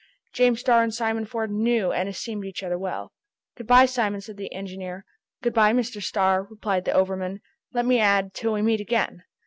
James Starr and Simon Ford knew and esteemed each other well. "Good by, Simon," said the engineer. "Good by, Mr. Starr," replied the overman, "let me add, till we meet again!"